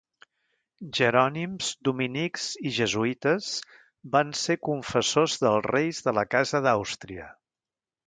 Jerònims, dominics i jesuïtes van ser confessors dels reis de la Casa d'Àustria.